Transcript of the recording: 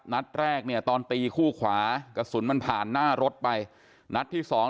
นัดแรกเนี่ยตอนตีคู่ขวากระสุนมันผ่านหน้ารถไปนัดที่สอง